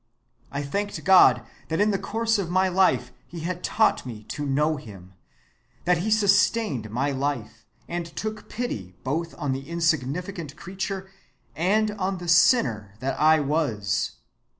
I thanked God that in the course of my life he had taught me to know him, that he sustained my life and took pity both on the insignificant creature and on the sinner that I was.